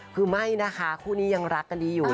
คือไม่นะคะคู่นี้ยังรักกันดีอยู่